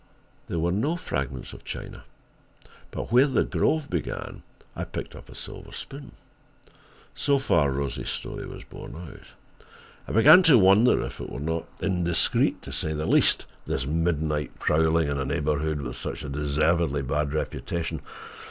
There were no fragments of china, but where the grove began I picked up a silver spoon. So far Rosie's story was borne out: I began to wonder if it were not indiscreet, to say the least, this midnight prowling in a neighborhood with such a deservedly bad reputation.